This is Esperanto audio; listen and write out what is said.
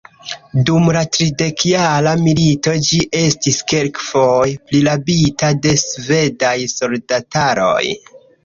Dum la tridekjara milito ĝi estis kelkfoje prirabita de svedaj soldataroj.